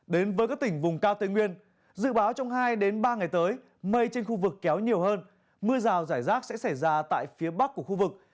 đến với các tỉnh vùng cao tây nguyên dự báo trong hai ba ngày tới mây trên khu vực kéo nhiều hơn mưa rào rải rác sẽ xảy ra tại phía bắc của khu vực